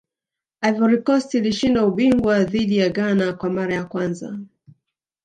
ivory coast ilishinda ubingwa dhidi ya ghana kwa mara ya kwanza